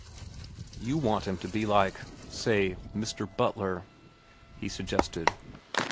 "You want him to be like—say Mr. Butler?" he suggested.